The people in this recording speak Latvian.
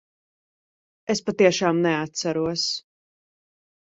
Es patiešām neatceros.